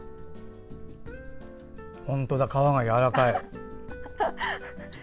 本当だ、皮がやわらかい。